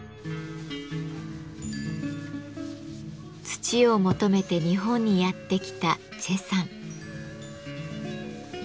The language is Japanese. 土を求めて日本にやって来た崔さん。